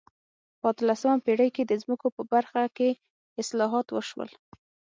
په اتلسمه پېړۍ کې د ځمکو په برخه کې اصلاحات وشول.